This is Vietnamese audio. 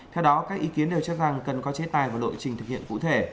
theo đó các ý kiến đều cho rằng cần có chế tài và lộ trình thực hiện cụ thể